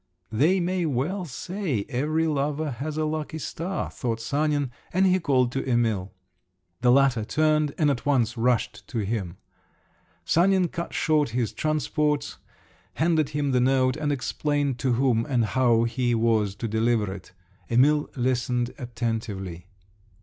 "They may well say every lover has a lucky star," thought Sanin, and he called to Emil. The latter turned and at once rushed to him. Sanin cut short his transports, handed him the note, and explained to whom and how he was to deliver it…. Emil listened attentively.